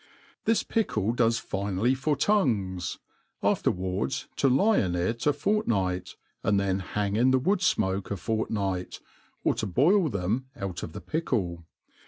This pickle does finely for tongues, afterwards to lie In it a fortnight, and then hang in the wood fmoke a fortnight, or to |>oil them out of the pickle.